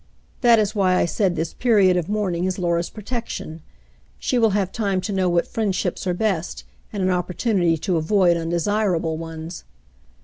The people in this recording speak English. "That is why I said this period of mourning is Laura's protection. She will have time to know what friendships are best, and an opportunity to avoid undesirable ones.